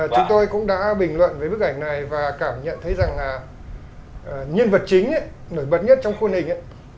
chúng tôi cũng đã bình luận về bức ảnh này và cảm nhận thấy rằng là nhân vật chính nổi bật nhất trong khuôn hình ấy